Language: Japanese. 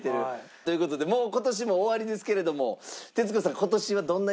という事でもう今年も終わりですけれども徹子さん